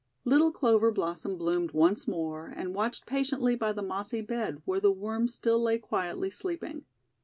Little Clover Blossom bloomed once more, and watched patiently by the mossy bed where the Worm still lay quietly sleeping.